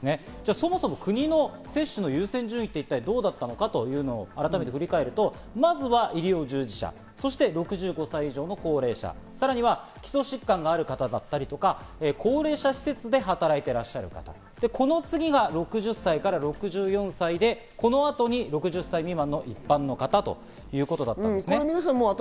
そもそも国の接種の優先順位って一体どうだったのかというのを改めて振り返ると、まずは医療従事者、そして６５歳以上の高齢者、さらには基礎疾患がある方だったり、高齢者施設で働いていらっしゃる方、この次が６０歳から６４歳で、この後に６０歳未満の一般の方ということなんですね。